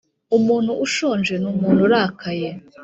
umuntu ushonje ni umuntu urakaye.